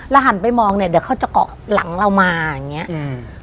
หันไปมองเนี้ยเดี๋ยวเขาจะเกาะหลังเรามาอย่างเงี้อืม